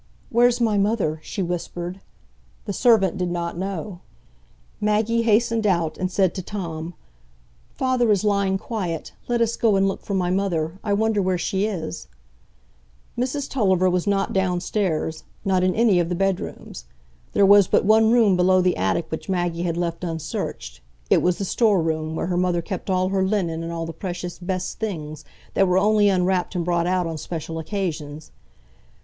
"Where's my mother?" she whispered. The servant did not know. Maggie hastened out, and said to Tom; "Father is lying quiet; let us go and look for my mother. I wonder where she is." Mrs Tulliver was not downstairs, not in any of the bedrooms. There was but one room below the attic which Maggie had left unsearched; it was the storeroom, where her mother kept all her linen and all the precious "best things" that were only unwrapped and brought out on special occasions.